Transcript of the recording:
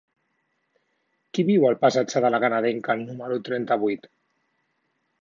Qui viu al passatge de La Canadenca número trenta-vuit?